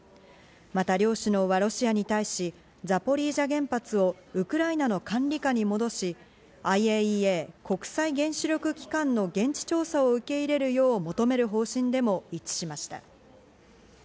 また両首脳はロシアに対し、ザポリージャ原発をウクライナの管理下に戻し、ＩＡＥＡ＝国際原子力機関の現地調査を受け入れるよう求める方針でも一致しました。